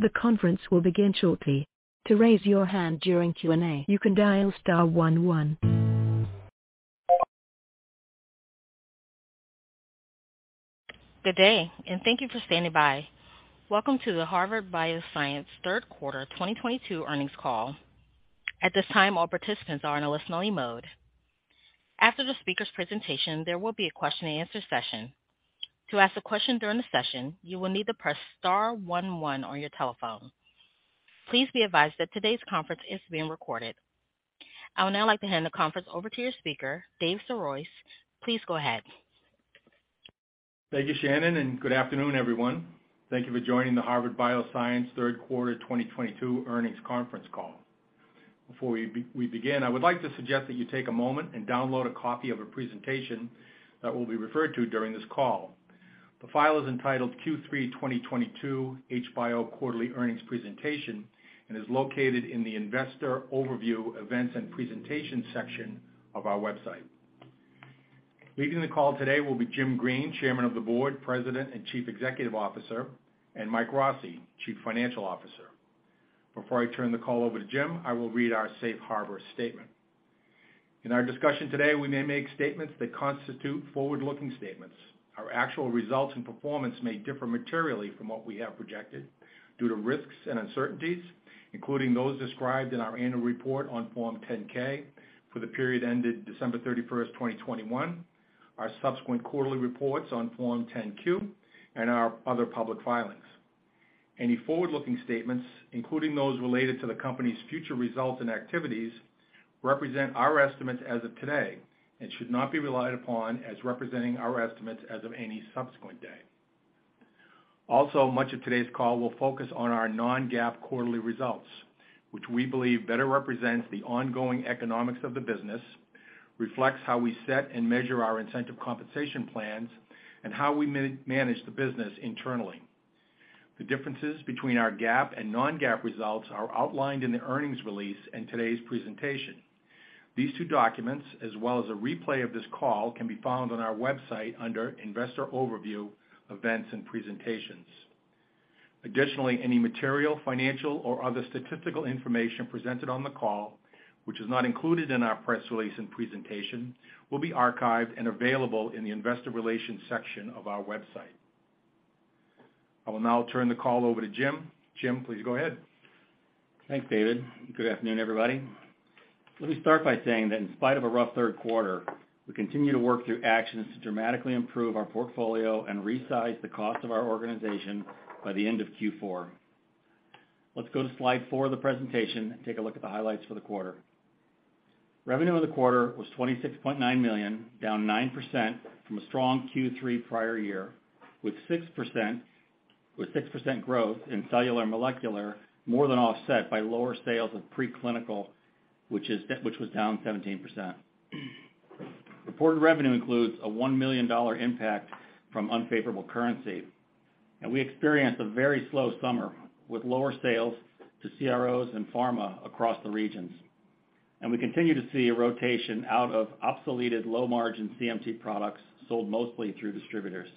The conference will begin shortly. To raise your hand during Q&A, you can dial star one one. Good day, and thank you for standing by. Welcome to the Harvard Bioscience third quarter 2022 earnings call. At this time, all participants are in a listen-only mode. After the speaker's presentation, there will be a question-and-answer session. To ask a question during the session, you will need to press star one one on your telephone. Please be advised that today's conference is being recorded. I would now like to hand the conference over to your speaker, David Sirois. Please go ahead. Thank you, Shannon, and good afternoon, everyone. Thank you for joining the Harvard Bioscience third quarter 2022 earnings conference call. Before we begin, I would like to suggest that you take a moment and download a copy of a presentation that will be referred to during this call. The file is entitled Q3-2022 HBio Quarterly Earnings Presentation and is located in the Investor Overview Events and Presentation section of our website. Leading the call today will be Jim Green, Chairman of the Board, President, and Chief Executive Officer, and Mike Rossi, Chief Financial Officer. Before I turn the call over to Jim, I will read our safe harbor statement. In our discussion today, we may make statements that constitute forward-looking statements. Our actual results and performance may differ materially from what we have projected due to risks and uncertainties, including those described in our annual report on Form 10-K for the period ended December 31, 2021, our subsequent quarterly reports on Form 10-Q, and our other public filings. Any forward-looking statements, including those related to the company's future results and activities, represent our estimates as of today and should not be relied upon as representing our estimates as of any subsequent day. Also, much of today's call will focus on our non-GAAP quarterly results, which we believe better represents the ongoing economics of the business, reflects how we set and measure our incentive compensation plans, and how we manage the business internally. The differences between our GAAP and non-GAAP results are outlined in the earnings release and today's presentation. These 2 documents, as well as a replay of this call, can be found on our website under Investor Overview, Events and Presentations. Additionally, any material, financial, or other statistical information presented on the call, which is not included in our press release and presentation, will be archived and available in the Investor Relations section of our website. I will now turn the call over to Jim. Jim, please go ahead. Thanks, David. Good afternoon, everybody. Let me start by saying that in spite of a rough 3rd quarter, we continue to work through actions to dramatically improve our portfolio and resize the cost of our organization by the end of Q4. Let's go to slide four of the presentation and take a look at the highlights for the quarter. Revenue of the quarter was $26.9 million, down 9% from a strong Q3 prior year, with 6% growth in cellular and molecular, more than offset by lower sales of preclinical, which was down 17%. Reported revenue includes a $1 million impact from unfavorable currency. We experienced a very slow summer with lower sales to CROs and pharma across the regions. We continue to see a rotation out of obsoleted low-margin CMT products sold mostly through distributors.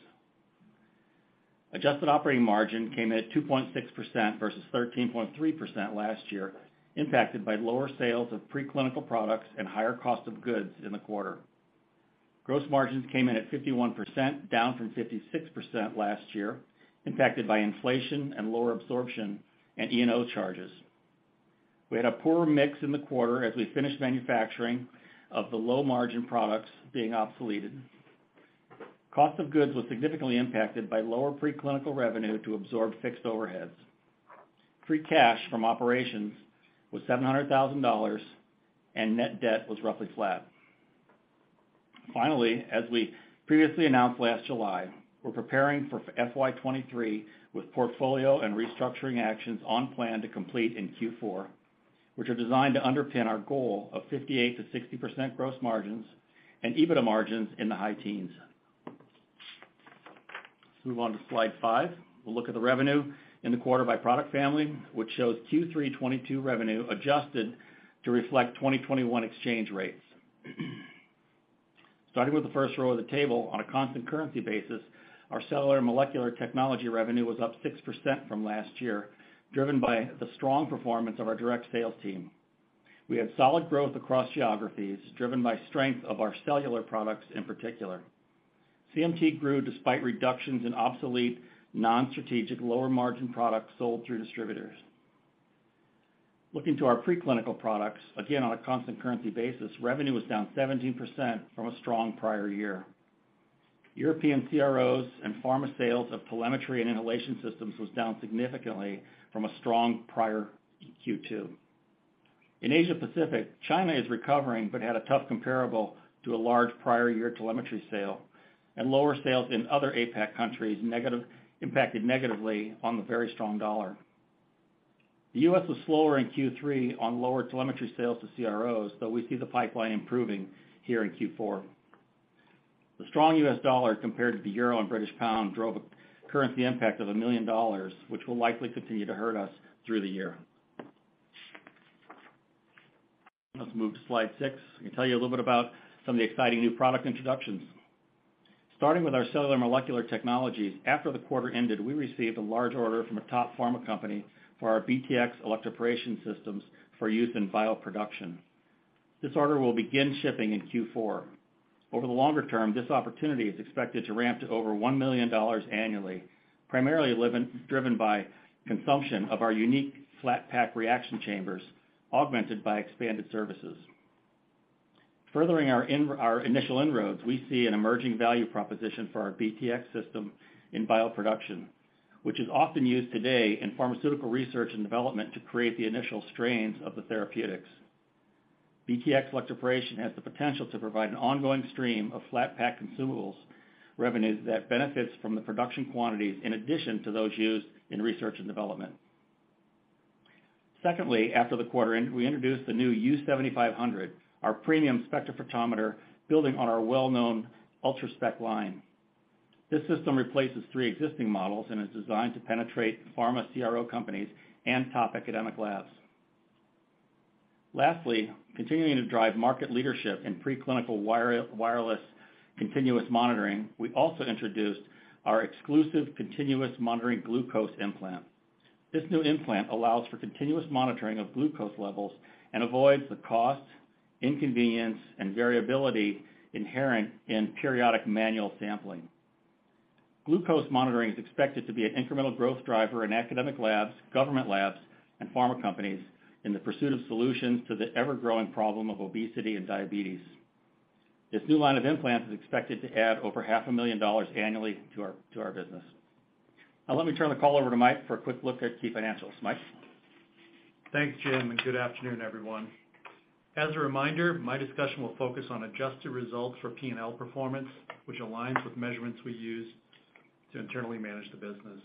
Adjusted operating margin came in at 2.6% versus 13.3% last year, impacted by lower sales of preclinical products and higher cost of goods in the quarter. Gross margins came in at 51%, down from 56% last year, impacted by inflation and lower absorption and E&O charges. We had a poor mix in the quarter as we finished manufacturing of the low-margin products being obsoleted. Cost of goods was significantly impacted by lower preclinical revenue to absorb fixed overheads. Free cash from operations was $700,000, and net debt was roughly flat. Finally, as we previously announced last July, we're preparing for FY 2023 with portfolio and restructuring actions on plan to complete in Q4, which are designed to underpin our goal of 58%-60% gross margins and EBITDA margins in the high teens. Let's move on to Slide 5. We'll look at the revenue in the quarter by product family, which shows Q3 2022 revenue adjusted to reflect 2021 exchange rates. Starting with the first row of the table, on a constant currency basis, our cellular and molecular technology revenue was up 6% from last year, driven by the strong performance of our direct sales team. We have solid growth across geographies, driven by strength of our cellular products in particular. CMT grew despite reductions in obsolete, non-strategic, lower-margin products sold through distributors. Looking to our preclinical products, again, on a constant currency basis, revenue was down 17% from a strong prior year. European CROs and pharma sales of telemetry and inhalation systems was down significantly from a strong prior Q2. In Asia Pacific, China is recovering but had a tough comparable to a large prior year telemetry sale and lower sales in other APAC countries negatively impacted by the very strong dollar. The U.S. was slower in Q3 on lower telemetry sales to CROs, though we see the pipeline improving here in Q4. The strong U.S. dollar compared to the euro and British pound drove a currency impact of $1 million, which will likely continue to hurt us through the year. Let's move to Slide 6 and tell you a little bit about some of the exciting new product introductions. Starting with our cellular molecular technologies, after the quarter ended, we received a large order from a top pharma company for our BTX Electroporation systems for use in bioproduction. This order will begin shipping in Q4. Over the longer term, this opportunity is expected to ramp to over $1 million annually, primarily driven by consumption of our unique Flatpack Chambers, augmented by expanded services. Furthering our initial inroads, we see an emerging value proposition for our BTX system in bioproduction, which is often used today in pharmaceutical research and development to create the initial strains of the therapeutics. BTX Electroporation has the potential to provide an ongoing stream of Flatpack consumables revenues that benefits from the production quantities in addition to those used in research and development. Secondly, after the quarter end, we introduced the new Ultrospec 7500, our premium spectrophotometer, building on our well-known Ultrospec line. This system replaces three existing models and is designed to penetrate pharma CRO companies and top academic labs. Lastly, continuing to drive market leadership in preclinical wired-wireless continuous monitoring, we also introduced our exclusive continuous monitoring glucose implant. This new implant allows for continuous monitoring of glucose levels and avoids the cost, inconvenience, and variability inherent in periodic manual sampling. Glucose monitoring is expected to be an incremental growth driver in academic labs, government labs, and pharma companies in the pursuit of solutions to the ever-growing problem of obesity and diabetes. This new line of implants is expected to add over half a million dollars annually to our business. Now let me turn the call over to Mike for a quick look at key financials. Mike? Thanks, Jim, and good afternoon, everyone. As a reminder, my discussion will focus on adjusted results for P&L performance, which aligns with measurements we use to internally manage the business.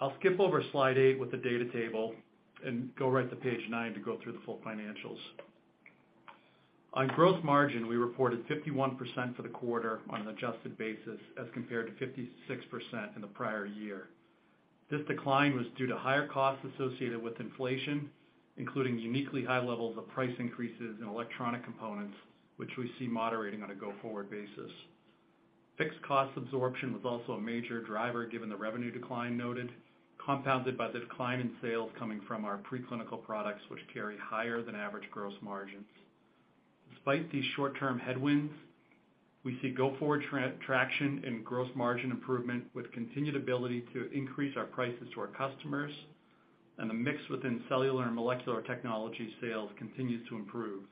I'll skip over Slide 8 with the data table and go right to Page 9 to go through the full financials. On gross margin, we reported 51% for the quarter on an adjusted basis as compared to 56% in the prior year. This decline was due to higher costs associated with inflation, including uniquely high levels of price increases in electronic components, which we see moderating on a go-forward basis. Fixed cost absorption was also a major driver given the revenue decline noted, compounded by the decline in sales coming from our preclinical products, which carry higher than average gross margins. Despite these short-term headwinds, we see go-forward traction and gross margin improvement with continued ability to increase our prices to our customers, and the mix within cellular and molecular technology sales continues to improve,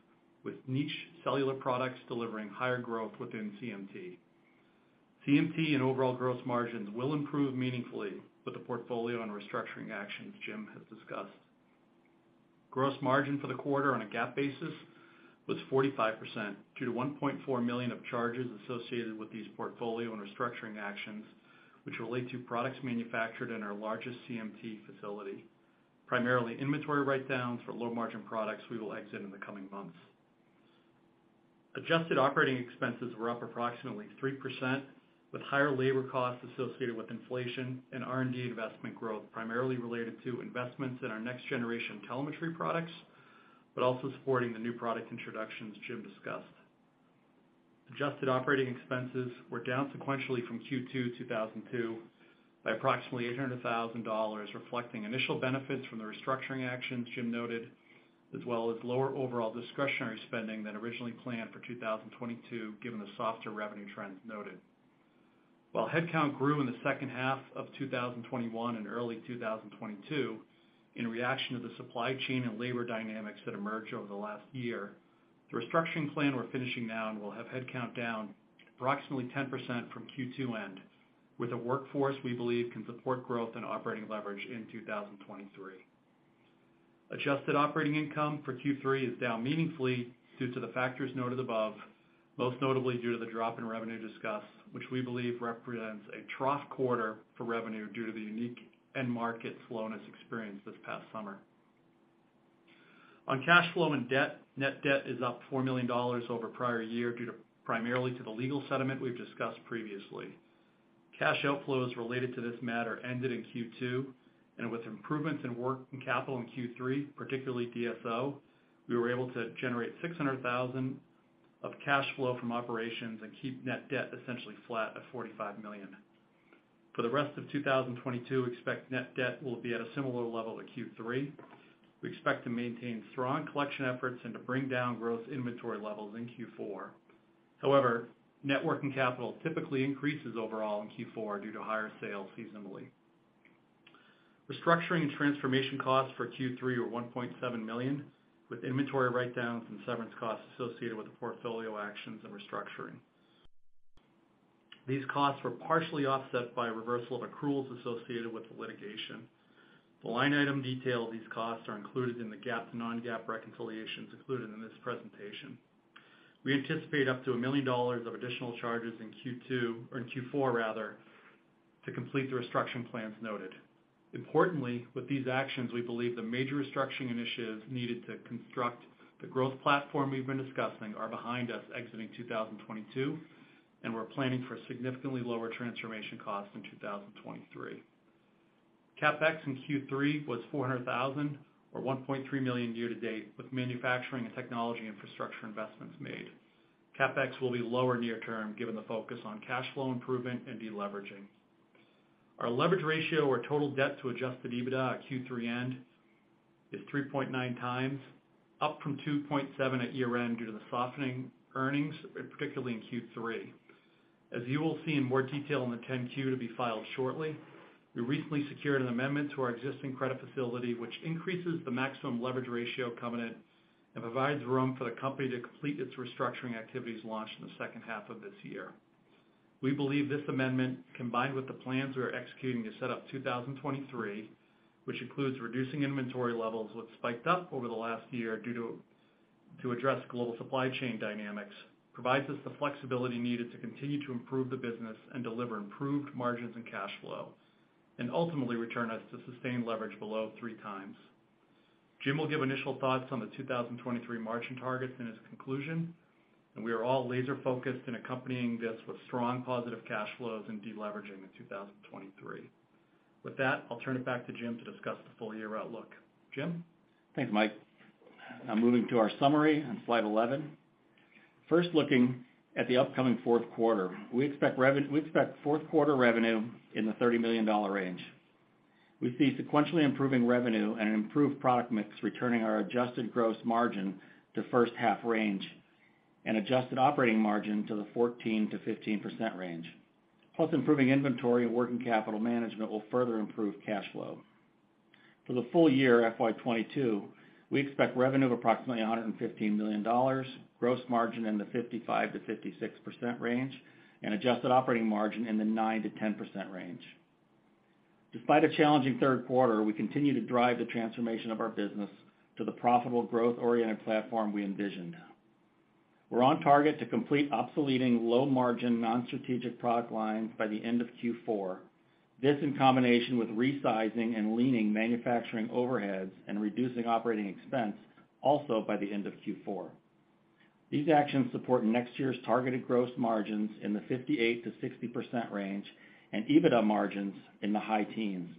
with niche cellular products delivering higher growth within CMT. CMT and overall gross margins will improve meaningfully with the portfolio and restructuring actions Jim has discussed. Gross margin for the quarter on a GAAP basis was 45% due to $1.4 million of charges associated with these portfolio and restructuring actions, which relate to products manufactured in our largest CMT facility, primarily inventory write-downs for low-margin products we will exit in the coming months. Adjusted operating expenses were up approximately 3%, with higher labor costs associated with inflation and R&D investment growth, primarily related to investments in our next-generation telemetry products, but also supporting the new product introductions Jim discussed. Adjusted operating expenses were down sequentially from Q2 2022 by approximately $800,000, reflecting initial benefits from the restructuring actions Jim noted, as well as lower overall discretionary spending than originally planned for 2022, given the softer revenue trends noted. While headcount grew in the second half of 2021 and early 2022 in reaction to the supply chain and labor dynamics that emerged over the last year, the restructuring plan we're finishing now will have headcount down approximately 10% from Q2 end with a workforce we believe can support growth and operating leverage in 2023. Adjusted operating income for Q3 is down meaningfully due to the factors noted above, most notably due to the drop in revenue discussed, which we believe represents a trough quarter for revenue due to the unique end market slowness experienced this past summer. On cash flow and debt, net debt is up $4 million over prior year due primarily to the legal settlement we've discussed previously. Cash outflows related to this matter ended in Q2, and with improvements in working capital in Q3, particularly DSO, we were able to generate $600,000 of cash flow from operations and keep net debt essentially flat at $45 million. For the rest of 2022, expect net debt will be at a similar level to Q3. We expect to maintain strong collection efforts and to bring down gross inventory levels in Q4. However, net working capital typically increases overall in Q4 due to higher sales seasonally. Restructuring and transformation costs for Q3 were $1.7 million, with inventory write-downs and severance costs associated with the portfolio actions and restructuring. These costs were partially offset by a reversal of accruals associated with the litigation. The line item detail of these costs are included in the GAAP to non-GAAP reconciliations included in this presentation. We anticipate up to $1 million of additional charges in Q4 rather, to complete the restructuring plans noted. Importantly, with these actions, we believe the major restructuring initiatives needed to construct the growth platform we've been discussing are behind us exiting 2022, and we're planning for significantly lower transformation costs in 2023. CapEx in Q3 was $400,000 or $1.3 million year-to-date, with manufacturing and technology infrastructure investments made. CapEx will be lower near term given the focus on cash flow improvement and deleveraging. Our leverage ratio or total debt to adjusted EBITDA at Q3 end is 3.9 times, up from 2.7 at year-end due to the softening earnings, particularly in Q3. As you will see in more detail in the 10-Q to be filed shortly, we recently secured an amendment to our existing credit facility, which increases the maximum leverage ratio covenant and provides room for the company to complete its restructuring activities launched in the second half of this year. We believe this amendment, combined with the plans we are executing to set up 2023, which includes reducing inventory levels which spiked up over the last year due to address global supply chain dynamics, provides us the flexibility needed to continue to improve the business and deliver improved margins and cash flow, and ultimately return us to sustained leverage below 3 times. Jim will give initial thoughts on the 2023 margin targets in his conclusion, and we are all laser focused in accompanying this with strong positive cash flows and deleveraging in 2023. With that, I'll turn it back to Jim to discuss the full year outlook. Jim? Thanks, Mike. Now moving to our summary on Slide 11. First, looking at the upcoming 4th quarter. We expect 4th quarter revenue in the $30 million range. We see sequentially improving revenue and an improved product mix returning our adjusted gross margin to first half range and adjusted operating margin to the 14%-15% range, plus improving inventory and working capital management will further improve cash flow. For the full year FY 2022, we expect revenue of approximately $115 million, gross margin in the 55%-56% range, and adjusted operating margin in the 9%-10% range. Despite a challenging 3rd quarter, we continue to drive the transformation of our business to the profitable growth-oriented platform we envisioned. We're on target to complete obsoleting low margin non-strategic product lines by the end of Q4. This, in combination with right-sizing and realigning manufacturing overheads and reducing operating expense also by the end of Q4. These actions support next year's targeted gross margins in the 58%-60% range and EBITDA margins in the high teens.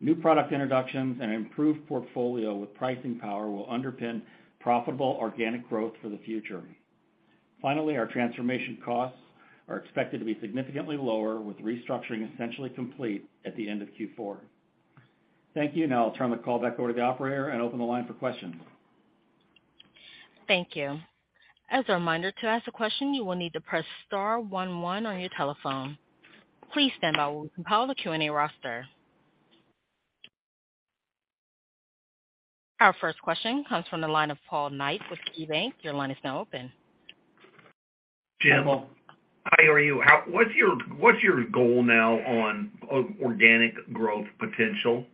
New product introductions and improved portfolio with pricing power will underpin profitable organic growth for the future. Finally, our transformation costs are expected to be significantly lower with restructuring essentially complete at the end of Q4. Thank you. Now I'll turn the call back over to the operator and open the line for questions. Thank you. As a reminder, to ask a question, you will need to press star one one on your telephone. Please stand by while we compile the Q&A roster. Our first question comes from the line of Paul Knight with KeyBanc. Your line is now open. Jim, how are you? What's your goal now on organic growth potential?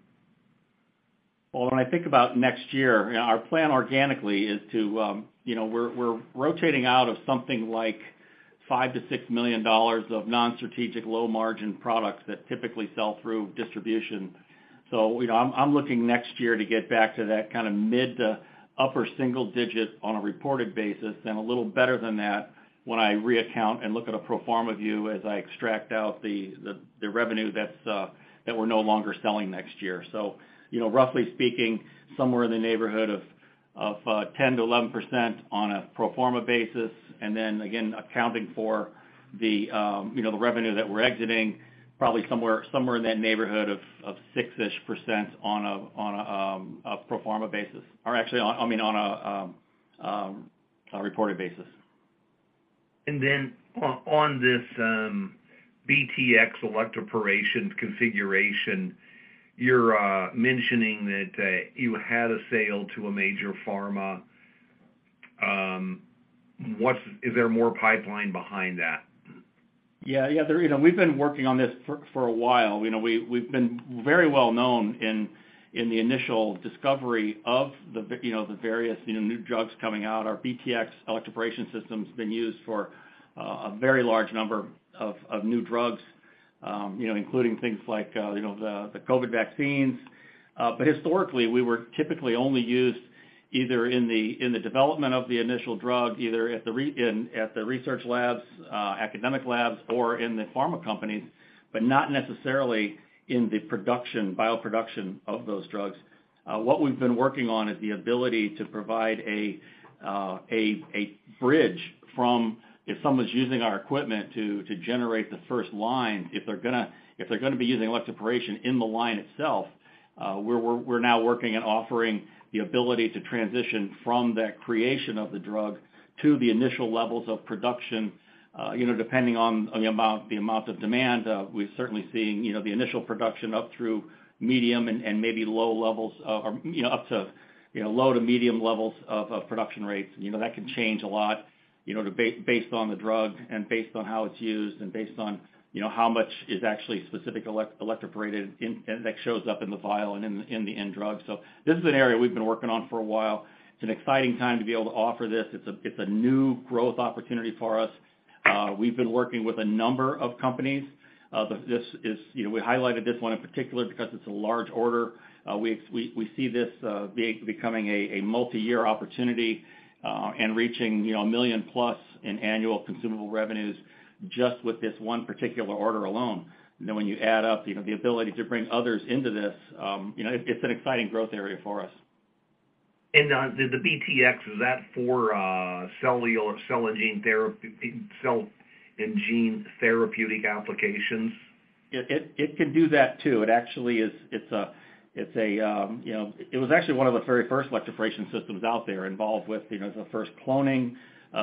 Well, when I think about next year, our plan organically is to, you know, we're rotating out of something like $5-$6 million of non-strategic low margin products that typically sell through distribution. You know, I'm looking next year to get back to that kind of mid- to upper single-digit on a reported basis and a little better than that when I reaccount and look at a pro forma view as I extract out the revenue that we're no longer selling next year. You know, roughly speaking, somewhere in the neighborhood of 10%-11% on a pro forma basis. accounting for the, you know, the revenue that we're exiting probably somewhere in that neighborhood of 6-ish% on a pro forma basis, or actually, I mean, on a reported basis. On this BTX Electroporation configuration, you're mentioning that you had a sale to a major pharma. Is there more pipeline behind that? Yeah. There, you know, we've been working on this for a while. You know, we've been very well known in the initial discovery of the various new drugs coming out. Our BTX Electroporation system's been used for a very large number of new drugs, you know, including things like the COVID vaccines. Historically, we were typically only used either in the development of the initial drug, in the research labs, academic labs, or in the pharma companies, but not necessarily in the production, bioproduction of those drugs. What we've been working on is the ability to provide a bridge from if someone's using our equipment to generate the first line, if they're gonna be using electroporation in the line itself, we're now working on offering the ability to transition from that creation of the drug to the initial levels of production. You know, depending on the amount of demand, we're certainly seeing the initial production up through medium and maybe low levels of, or up to low to medium levels of production rates. You know, that can change a lot, you know, based on the drug and based on how it's used and based on, you know, how much is actually specifically electroporated in that shows up in the vial and in the end drug. This is an area we've been working on for a while. It's an exciting time to be able to offer this. It's a new growth opportunity for us. We've been working with a number of companies, but this is, you know, we highlighted this one in particular because it's a large order. We see this becoming a multi-year opportunity, and reaching, you know, $1 million-plus in annual consumable revenues just with this one particular order alone. When you add up, you know, the ability to bring others into this, you know, it's an exciting growth area for us. The BTX, is that for cellular or cell and gene therapy, cell and gene therapeutic applications? It can do that too. It actually is. It's a you know. It was actually one of the very first electroporation systems out there involved with, you know, the first cloning,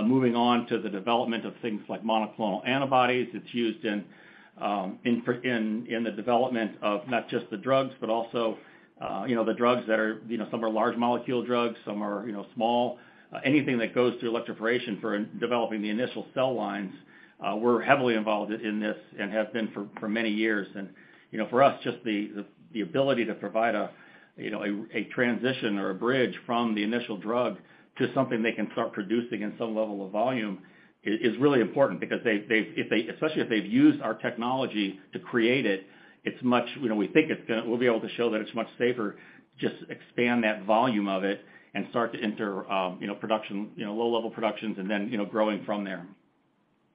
moving on to the development of things like monoclonal antibodies. It's used in the development of not just the drugs, but also, you know, the drugs that are, you know, some are large molecule drugs, some are, you know, small. Anything that goes through electroporation for developing the initial cell lines. We're heavily involved in this and have been for many years. You know, for us, just the ability to provide a you know, a transition or a bridge from the initial drug to something they can start producing in some level of volume is really important because they've especially if they've used our technology to create it's much you know, we think we'll be able to show that it's much safer, just expand that volume of it and start to enter you know, production you know, low-level productions and then you know, growing from there.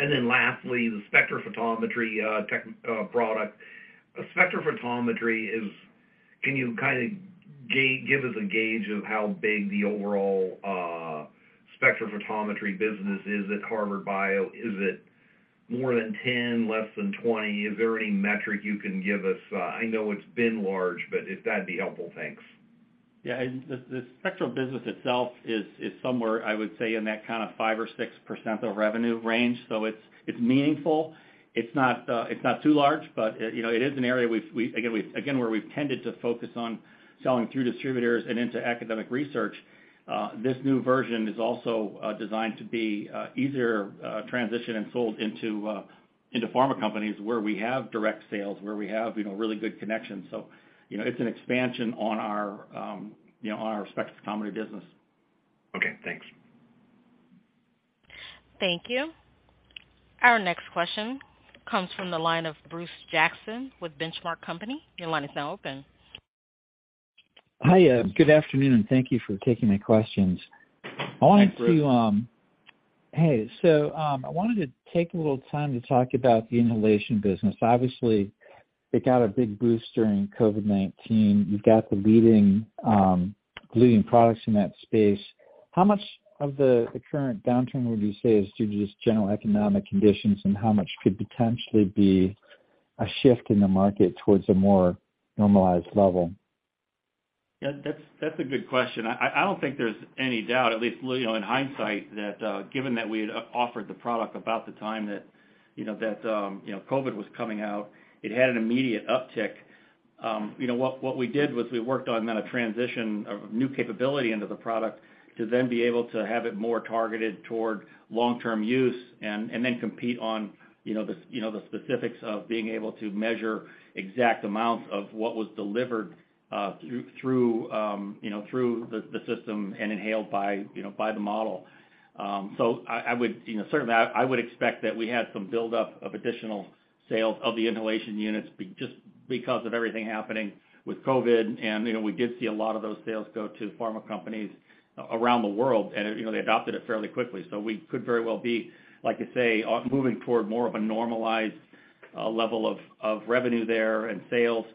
Lastly, the spectrophotometry tech product. Can you kind of give us a gauge of how big the overall spectrophotometry business is at Harvard Bio? Is it more than 10, less than 20? Is there any metric you can give us? I know it's been large, but if that'd be helpful. Thanks. Yeah. The spectral business itself is somewhere, I would say in that kind of 5%-6% of revenue range. It's meaningful. It's not too large, but you know it is an area where we've tended to focus on selling through distributors and into academic research. This new version is also designed to be easier transition and sold into pharma companies where we have direct sales, where we have you know really good connections. You know it's an expansion on our, you know, spectrophotometry business. Okay, thanks. Thank you. Our next question comes from the line of Bruce Jackson with Benchmark Company. Your line is now open. Hi. Good afternoon, and thank you for taking my questions. Hi, Bruce. I wanted to take a little time to talk about the inhalation business. Obviously, it got a big boost during COVID-19. You've got the leading products in that space. How much of the current downturn would you say is due to just general economic conditions, and how much could potentially be a shift in the market towards a more normalized level? Yeah, that's a good question. I don't think there's any doubt, at least, you know, in hindsight, that given that we had offered the product about the time that, you know, that COVID was coming out, it had an immediate uptick. You know what we did was we worked on then a transition of new capability into the product to then be able to have it more targeted toward long-term use and then compete on, you know, the specifics of being able to measure exact amounts of what was delivered through the system and inhaled by, you know, by the model. I would, you know, certainly expect that we had some buildup of additional sales of the inhalation units just because of everything happening with COVID. You know, we did see a lot of those sales go to pharma companies around the world, and, you know, they adopted it fairly quickly. We could very well be, like you say, moving toward more of a normalized level of revenue there and sales,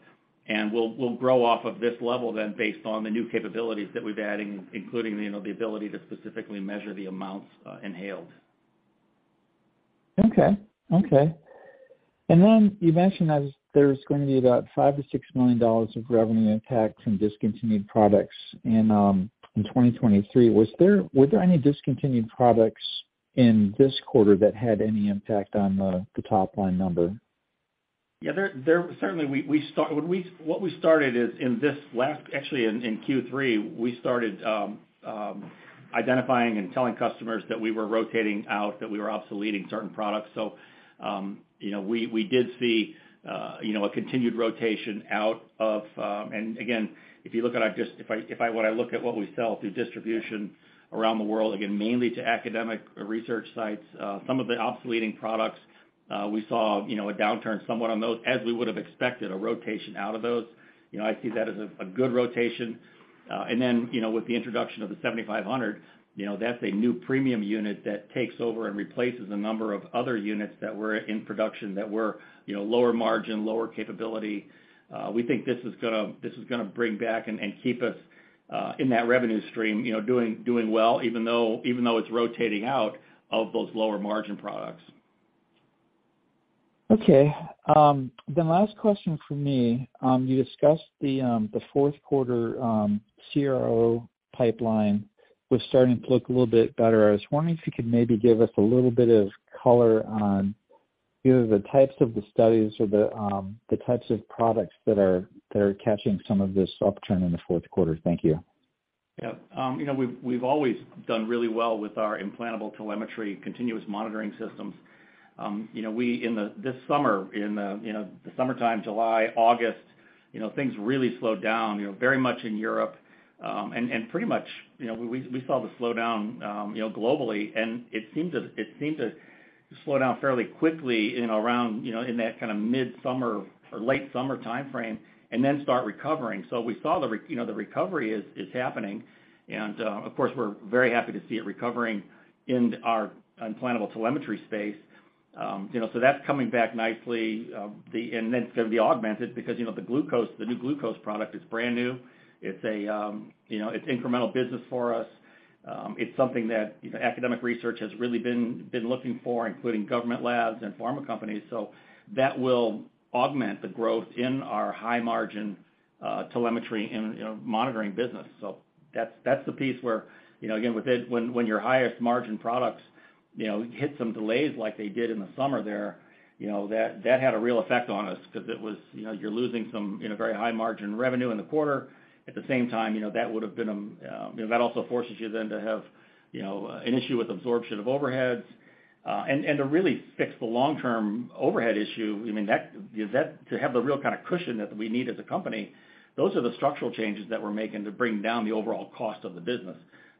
and we'll grow off of this level then based on the new capabilities that we've added, including, you know, the ability to specifically measure the amounts inhaled. Okay. Then you mentioned that there's going to be about $5 million-$6 million of revenue impact from discontinued products in 2023. Were there any discontinued products in this quarter that had any impact on the top-line number? Yeah. Certainly, what we started is actually in Q3, we started identifying and telling customers that we were rotating out, that we were obsoleting certain products. You know, we did see a continued rotation out of. Again, when I look at what we sell through distribution around the world, again, mainly to academic research sites, some of the obsoleting products, we saw a downturn somewhat on those as we would have expected a rotation out of those. You know, I see that as a good rotation. You know, with the introduction of the Ultrospec 7500, you know, that's a new premium unit that takes over and replaces a number of other units that were in production that were, you know, lower margin, lower capability. We think this is gonna bring back and keep us in that revenue stream, you know, doing well, even though it's rotating out of those lower margin products. Okay. Last question from me. You discussed the fourth quarter CRO pipeline was starting to look a little bit better. I was wondering if you could maybe give us a little bit of color on either the types of the studies or the types of products that are catching some of this upturn in the 4th quarter. Thank you. Yeah. You know, we've always done really well with our implantable telemetry continuous monitoring systems. You know, in this summer, you know, the summertime, July, August, you know, things really slowed down, you know, very much in Europe, and pretty much, you know, we saw the slowdown, you know, globally. It seemed to slow down fairly quickly in around, you know, in that kind of midsummer or late summer time frame and then start recovering. We saw you know, the recovery is happening. Of course, we're very happy to see it recovering in our implantable telemetry space. You know, so that's coming back nicely. Then it's gonna be augmented because, you know, the glucose, the new glucose product is brand new. It's incremental business for us. It's something that academic research has really been looking for, including government labs and pharma companies. That will augment the growth in our high-margin telemetry and monitoring business. That's the piece where, again, when your highest margin products hit some delays like they did in the summer there, that had a real effect on us 'cause it was you're losing some very high-margin revenue in the quarter. At the same time, that also forces you then to have an issue with absorption of overheads. To really fix the long-term overhead issue, I mean, to have the real kinda cushion that we need as a company, those are the structural changes that we're making to bring down the overall cost of the business.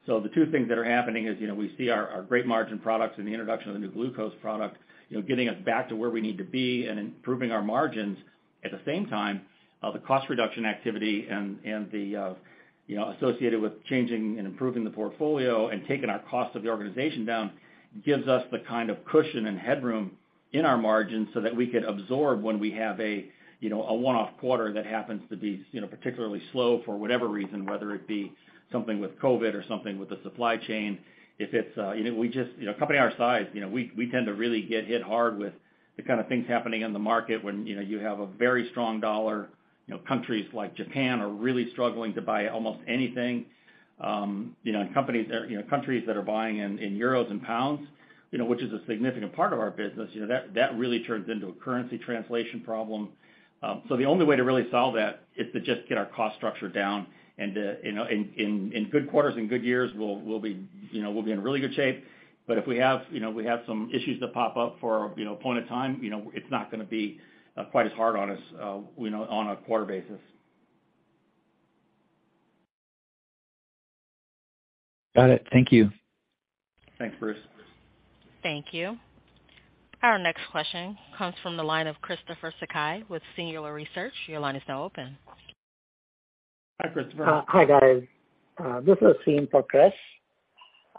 The 2 things that are happening is, you know, we see our great margin products and the introduction of the new glucose product, you know, getting us back to where we need to be and improving our margins. At the same time, the cost reduction activity and the, you know, associated with changing and improving the portfolio and taking our cost of the organization down gives us the kind of cushion and headroom in our margins so that we could absorb when we have a, you know, a one-off quarter that happens to be, you know, particularly slow for whatever reason, whether it be something with COVID or something with the supply chain. If it's, you know, a company our size, you know, we tend to really get hit hard with the kind of things happening in the market when, you know, you have a very strong U.S. dollar. You know, countries like Japan are really struggling to buy almost anything. You know, companies are, you know, countries that are buying in euros and pounds, you know, which is a significant part of our business, you know, that really turns into a currency translation problem. The only way to really solve that is to just get our cost structure down and to, you know, in good quarters and good years, we'll be, you know, in really good shape. If we have, you know, some issues that pop up for, you know, a point in time, you know, it's not gonna be quite as hard on us, you know, on a quarter basis. Got it. Thank you. Thanks, Bruce. Thank you. Our next question comes from the line of Christopher Sakai with Singular Research. Your line is now open. Hi, Christopher. Hi, guys. This is C in for Chris.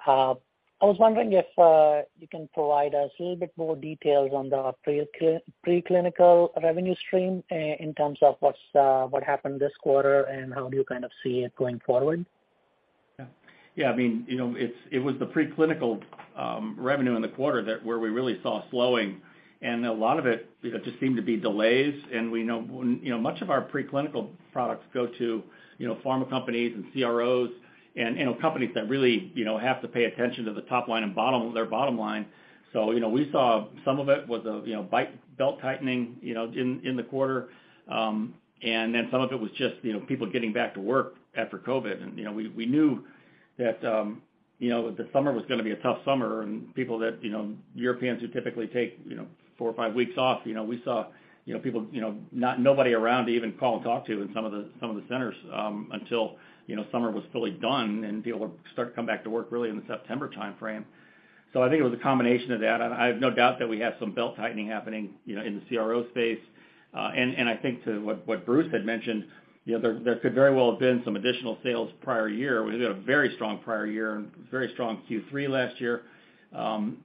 I was wondering if you can provide us a little bit more details on the preclinical revenue stream in terms of what happened this quarter and how do you kind of see it going forward? Yeah. Yeah, I mean, you know, it was the preclinical revenue in the quarter that where we really saw slowing. A lot of it, you know, just seemed to be delays. We know, you know, much of our preclinical products go to, you know, pharma companies and CROs and, you know, companies that really, you know, have to pay attention to the top line and bottom, their bottom line. You know, we saw some of it was a, you know, belt-tightening, you know, in the quarter. Then some of it was just, you know, people getting back to work after COVID. You know, we knew that, you know, the summer was gonna be a tough summer and people that, you know, Europeans who typically take, you know, four or five weeks off, you know, we saw, you know, people, you know, not nobody around to even call and talk to in some of the centers, until, you know, summer was fully done and be able to start to come back to work really in the September timeframe. I think it was a combination of that. I have no doubt that we have some belt-tightening happening, you know, in the CRO space. I think to what Bruce had mentioned, you know, there could very well have been some additional sales prior year. We had a very strong prior year and very strong Q3 last year,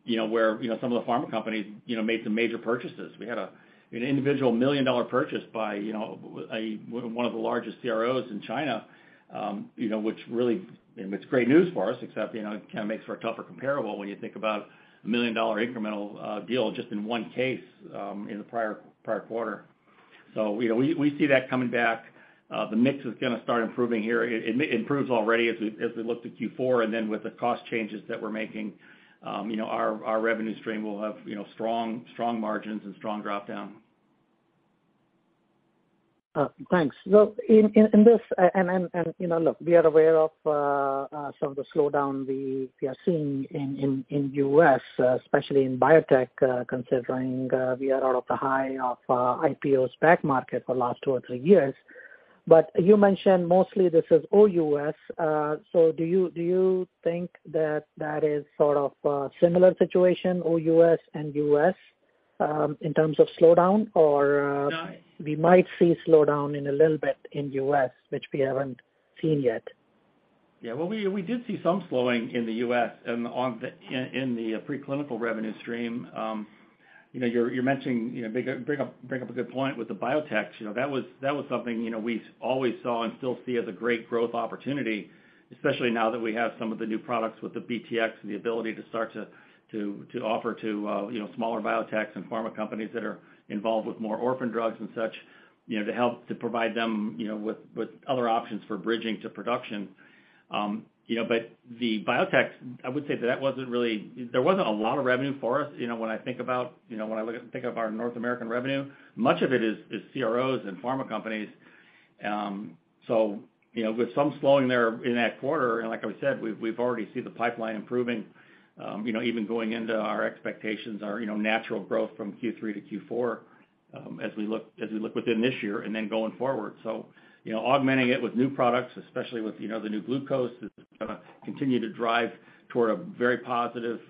you know, where, you know, some of the pharma companies, you know, made some major purchases. We had an individual $1 million purchase by, you know, one of the largest CROs in China, you know, which really, I mean, it's great news for us, except, you know, it kinda makes for a tougher comparable when you think about a $1 million incremental deal just in one case in the prior quarter. You know, we see that coming back. The mix is gonna start improving here. It improves already as we look to Q4. Then with the cost changes that we're making, you know, our revenue stream will have, you know, strong margins and strong drop-down. Thanks. Look, in this, you know, we are aware of some of the slowdown we are seeing in U.S., especially in biotech, considering we are out of the high of IPO SPAC market for the last 2 or 3 years. You mentioned mostly this is OUS. Do you think that that is sort of similar situation, OUS and U.S., in terms of slowdown? Or No We might see slowdown in a little bit in U.S., which we haven't seen yet. Yeah. Well, we did see some slowing in the U.S. and in the preclinical revenue stream. You know, you're mentioning, you know, bringing up a good point with the biotech. You know, that was something, you know, we always saw and still see as a great growth opportunity, especially now that we have some of the new products with the BTX and the ability to start to offer to, you know, smaller biotechs and pharma companies that are involved with more orphan drugs and such, you know, to help to provide them, you know, with other options for bridging to production. You know, but the biotech, I would say that wasn't really. There wasn't a lot of revenue for us. When I look at our North American revenue, much of it is CROs and pharma companies. You know, with some slowing there in that quarter, and like I said, we've already seen the pipeline improving, you know, even going into our expectations, our natural growth from Q3 to Q4, as we look within this year and then going forward. You know, augmenting it with new products, especially with, you know, the new glucose is gonna continue to drive toward a very positive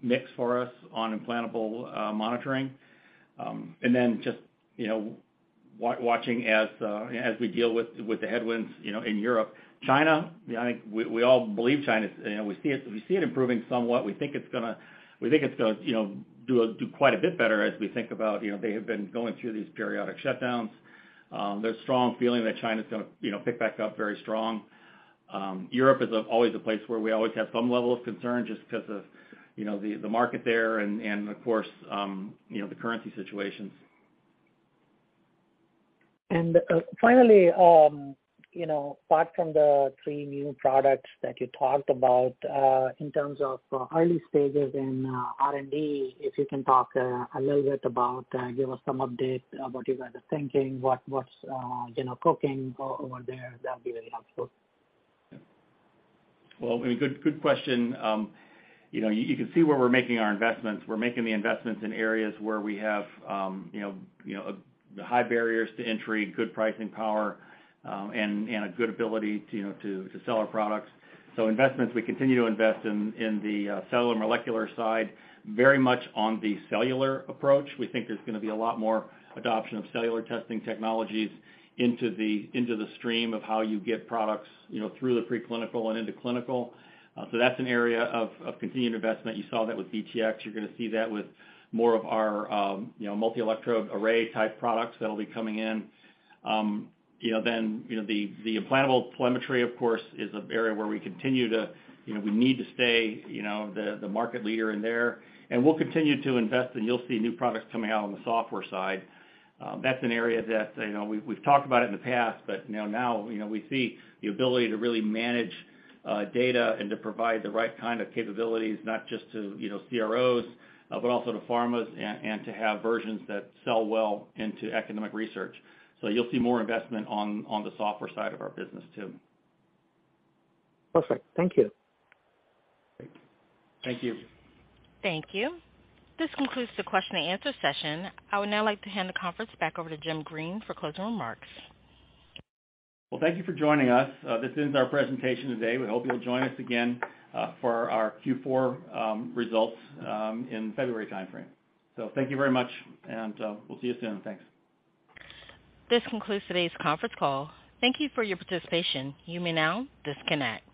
mix for us on implantable monitoring. And then just, you know, watching as we deal with the headwinds, you know, in Europe. China, we all believe China's... You know, we see it improving somewhat. We think it's gonna do quite a bit better as we think about, you know, they have been going through these periodic shutdowns. There's strong feeling that China's gonna, you know, pick back up very strong. Europe is always a place where we always have some level of concern just 'cause of, you know, the market there and of course, you know, the currency situations. Finally, you know, apart from the three new products that you talked about, in terms of early stages in R&D, if you can talk a little bit about, give us some update about you guys are thinking, what's you know, cooking over there, that'd be very helpful. Well, good question. You know, you can see where we're making our investments. We're making the investments in areas where we have, you know, high barriers to entry, good pricing power, and a good ability to, you know, to sell our products. Investments, we continue to invest in the cellular and molecular side, very much on the cellular approach. We think there's gonna be a lot more adoption of cellular testing technologies into the stream of how you get products, you know, through the preclinical and into clinical. That's an area of continued investment. You saw that with BTX. You're gonna see that with more of our, you know, multi-electrode array type products that'll be coming in. You know, the implantable telemetry, of course, is an area where we need to stay the market leader there. We'll continue to invest, and you'll see new products coming out on the software side. That's an area that, you know, we've talked about it in the past, but, you know, now, you know, we see the ability to really manage data and to provide the right kind of capabilities, not just to CROs, but also to pharmas and to have versions that sell well into academic research. You'll see more investment on the software side of our business, too. Perfect. Thank you. Thank you. Thank you. This concludes the question and answer session. I would now like to hand the conference back over to Jim Green for closing remarks. Well, thank you for joining us. This ends our presentation today. We hope you'll join us again for our Q4 results in February timeframe. Thank you very much, and we'll see you soon. Thanks. This concludes today's conference call. Thank you for your participation. You may now disconnect.